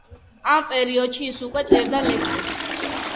ამ პერიოდში ის უკვე წერდა ლექსებს.